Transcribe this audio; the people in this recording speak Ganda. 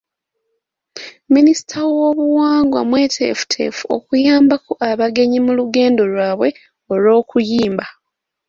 Minisita w'obuwangwa mweteefuteefu okuyambako abagenyi mu lugendo lwabwe olw'okuyimba.